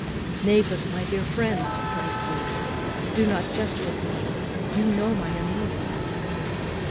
"Nay, but, my dear friend," cries Booth, "do not jest with me; you who know my Amelia."